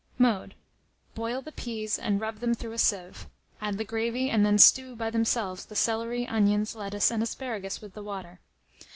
Mode. Boil the peas, and rub them through a sieve; add the gravy, and then stew by themselves the celery, onions, lettuce, and asparagus, with the water.